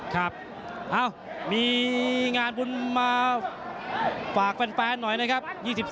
ครับมีงานบุญมาฝากแฟนหน่อยนะครับ